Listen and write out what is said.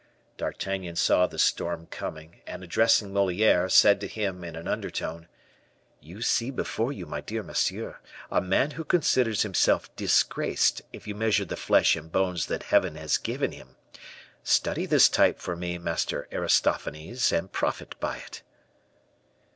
D'Artagnan saw the storm coming, and addressing Moliere, said to him, in an undertone, "You see before you, my dear monsieur, a man who considers himself disgraced, if you measure the flesh and bones that Heaven has given him; study this type for me, Master Aristophanes, and profit by it."